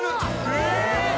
え